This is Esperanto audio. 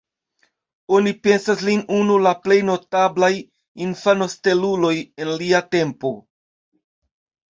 Oni pensas lin unu la plej notablaj infanosteluloj en lia tempo.